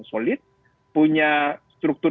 solid punya struktur